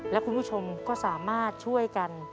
และคุณผู้ชมก็สามารถช่วยกัน